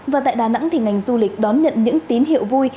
và tại đà nẵng thì ngành du lịch đón nhận những tín hiệu vui